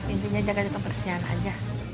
intinya jaga jaga persisian aja